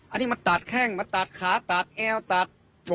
อันนี้มันตัดแข้งมันตัดขาตัดเอวตัด